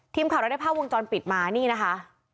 ทีมขับทานได้พ่อวงจรปิดมานี่นะคะ